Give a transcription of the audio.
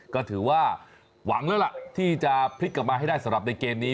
ก็ถือว่าหวังแล้วล่ะที่จะพลิกกลับมาให้ได้สำหรับในเกมนี้